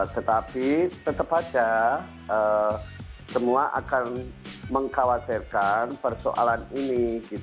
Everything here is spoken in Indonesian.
tetapi tetap saja semua akan mengkhawatirkan persoalan ini